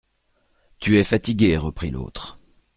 Tu es fatigué, reprit l'autre.